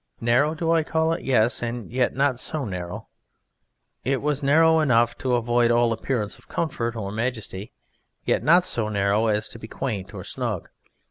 Narrow do I call it? Yes and yet not so narrow. It was narrow enough to avoid all appearance of comfort or majesty, yet not so narrow as to be quaint or snug.